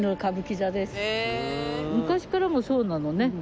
昔からもそうなのね。